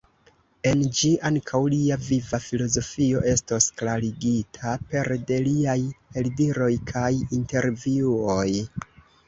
En ĝi ankaŭ lia viva filozofio estos klarigita pere de liaj eldiroj kaj intervjuoj.